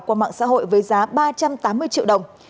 qua mạng xã hội với giá ba trăm tám mươi triệu đồng